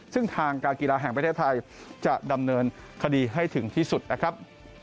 ซึ่งทางการกีฬาแห่งประเทศไทยจะดำเนินคดีให้ถึงที่สุดนะครับ